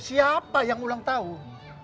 siapa yang ulang tahun